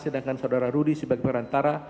sedangkan saudara rudy sebagai perantara